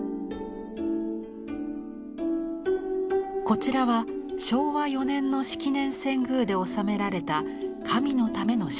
こちらは昭和４年の式年遷宮で納められた神のための装束。